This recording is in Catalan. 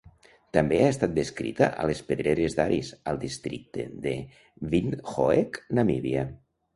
També ha estat descrita a les pedreres d'Aris, al districte de Windhoek, Namíbia.